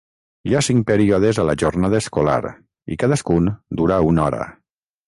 Hi ha cinc períodes a la jornada escolar i cadascun dura una hora.